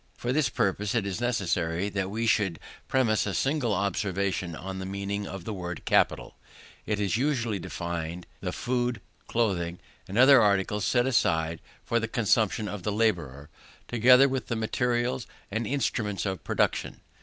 For this purpose, it is necessary that we should premise a single observation on the meaning of the word capital. It is usually defined, the food, clothing, and other articles set aside for the consumption of the labourer, together with the materials and instruments of production.